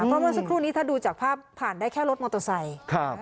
เพราะเมื่อสักครู่นี้ถ้าดูจากภาพผ่านได้แค่รถมอเตอร์ไซค์